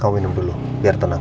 kau minum dulu biar tenang